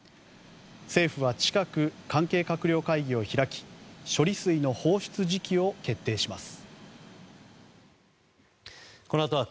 政府は、近く関係閣僚会議を開き処理水の放出時期を決定します。